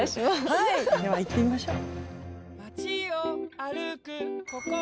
はいでは行ってみましょう。